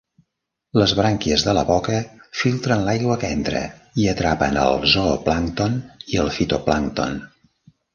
Les brànquies de la boca filtren l'aigua que entra i atrapen el zooplàncton i el fitoplàncton.